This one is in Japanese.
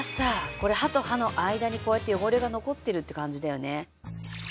これ歯と歯の間にこうやって汚れが残ってるって感じだよね。